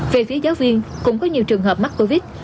về phía giáo viên cũng có nhiều trường hợp mắc covid